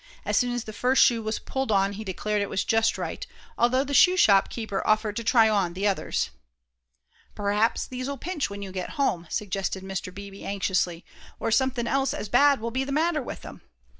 As soon as the first shoe was pulled on he declared it was just right, although the shoe shop keeper offered to try on the others. "P'r'aps these'll pinch when you get home," suggested Mr. Beebe, anxiously, "or somethin' else as bad will be the matter with 'em."